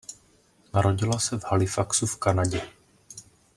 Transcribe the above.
Narodila se v Halifaxu v Kanadě.